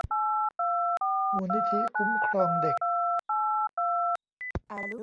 มูลนิธิคุ้มครองเด็ก